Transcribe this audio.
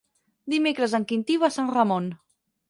Dimecres en Quintí va a Sant Ramon.